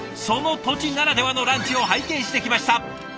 その土地ならではのランチを拝見してきました。